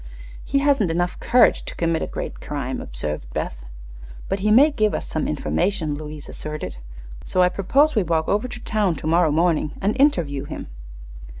"He hasn't enough courage to commit a great crime," observed Beth. "But he may be able to give us some information," Louise asserted; "so I propose we walk over to the town tomorrow morning and interview him."